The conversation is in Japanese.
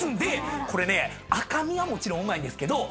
これね赤身はもちろんうまいんですけど脂身。